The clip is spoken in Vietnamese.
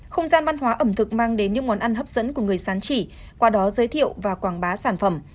không gian văn hóa ẩm thực mang đến những món ăn hấp dẫn của người sán chỉ qua đó giới thiệu và quảng bá sản phẩm